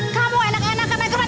kamu enak enak ke rumah teman